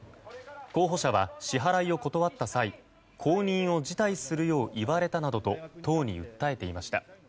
候補者は支払いを断った際公認を辞退するよう言われたなどと党に訴えていました。